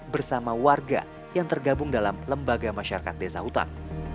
bersama warga yang tergabung dalam lembaga masyarakat desa hutang